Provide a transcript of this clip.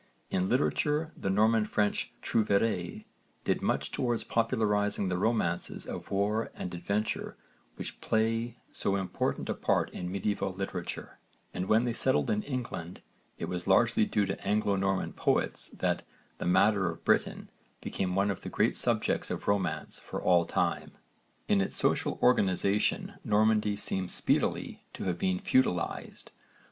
In literature the Norman French trouvères did much towards popularising the romances of war and adventure which play so important a part in medieval literature, and when they settled in England it was largely due to Anglo Norman poets that 'the matter of Britain' became one of the great subjects of romance for all time. In its social organisation Normandy seems speedily to have been feudalised.